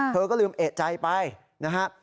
เธอก็ลืมเอกใจไปนะฮะ